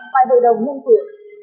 tại hội đồng nhân quyền